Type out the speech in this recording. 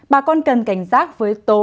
bà con cần cảnh giác với tối